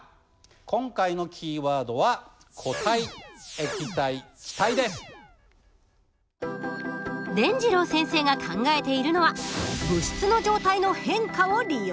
今回のキーワードはでんじろう先生が考えているのは物質の状態の変化を利用する事。